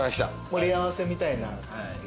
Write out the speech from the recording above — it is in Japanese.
盛り合わせみたいな感じで。